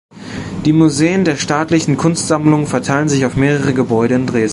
Die Museen der Staatlichen Kunstsammlungen verteilen sich auf mehrere Gebäude in Dresden.